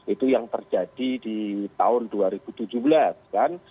itu yang terjadi di tahun dua ribu tujuh belas kan